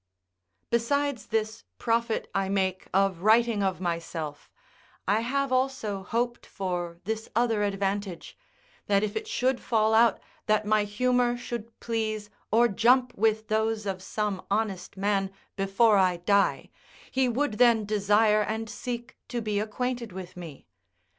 Besides this profit I make of writing of myself, I have also hoped for this other advantage, that if it should fall out that my humour should please or jump with those of some honest man before I die, he would then desire and seek to be acquainted with me.